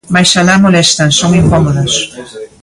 Mais alá molestan, son incómodos.